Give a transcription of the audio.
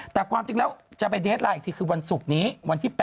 แต่ความจริงแล้วจะไปเดสไลน์อีกทีคือวันศุกร์นี้วันที่๘